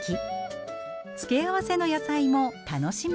付け合わせの野菜も楽しみの一つ。